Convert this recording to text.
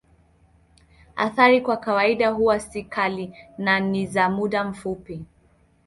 Athari kwa kawaida huwa si kali na ni za muda mfupi.